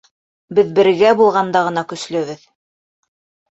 Беҙ бергә булғанда ғына көслөбөҙ.